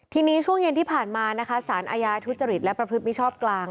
ทีนี้ช่วงเย็นที่ผ่านมานะคะสารอาญาทุจริตและประพฤติมิชชอบกลาง